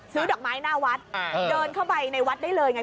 ดอกไม้หน้าวัดเดินเข้าไปในวัดได้เลยไง